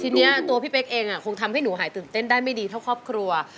ทีนี้ตัวพี่เป๊กเองคงทำให้หนูหายตื่นเต้นได้ไม่ดีเท่าครอบครัว